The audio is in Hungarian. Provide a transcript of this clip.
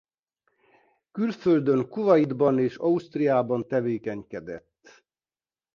Külföldön Kuvaitban és Ausztriában tevékenykedett.